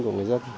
của người dân